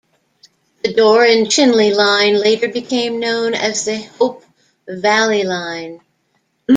The Dore and Chinley line later became known as the Hope Valley Line.